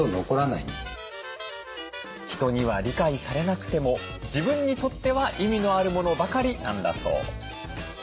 人には理解されなくても自分にとっては意味のあるものばかりなんだそう。